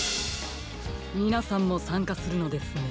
みなさんもさんかするのですね。